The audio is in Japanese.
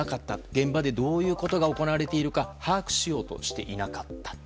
現場でどういうことが行われているか把握しようとしていなかった。